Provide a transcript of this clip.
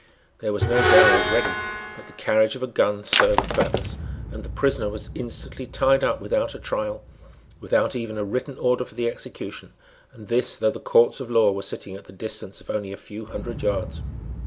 There was no gallows ready; but the carriage of a gun served the purpose; and the prisoner was instantly tied up without a trial, without even a written order for the execution; and this though the courts of law were sitting at the distance of only a few hundred yards.